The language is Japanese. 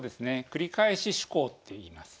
繰り返し趣向っていいます。